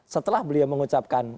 setelah beliau mengucapkan